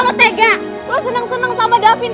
lo seneng seneng sama davin